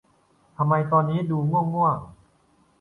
ทำไมตอนนี้ดูง่วงง่วง